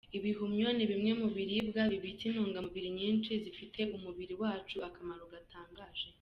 Ibihumyo ni bimwe mu biribwa bibitse intungamubiri nyinshi zifitiye umubiri wacu akamaro gatangaje.